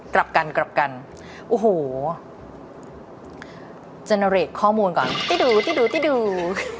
กลับกันกลับกันโอ้โหข้อมูลก่อนตี้ดูตี้ดูตี้ดู